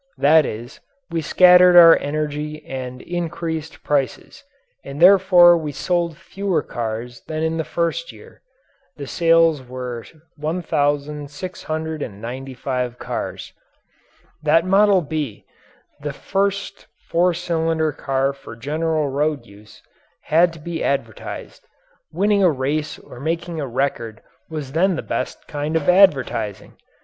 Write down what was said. That is, we scattered our energy and increased prices and therefore we sold fewer cars than in the first year. The sales were 1,695 cars. That "Model B" the first four cylinder car for general road use had to be advertised. Winning a race or making a record was then the best kind of advertising.